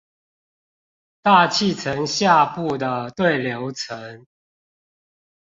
大氣層下部的對流層